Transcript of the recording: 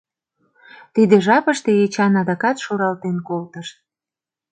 Тиде жапыште Эчан адакат шуралтен колтыш.